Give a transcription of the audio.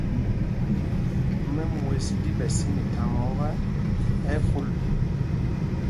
Mɛm wɛ̄ ɗí ɓɛ̌ sī mitháŋá ɔ́kɛ, ɛ́ ɛ́ kūl.